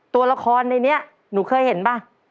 ตัวละครในนี้หนูเคยเห็นป่ะ